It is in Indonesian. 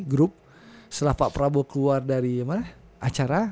grup setelah pak prabowo keluar dari acara